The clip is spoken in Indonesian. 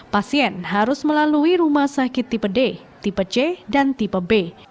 pasien harus melalui rumah sakit tipe d tipe c dan tipe b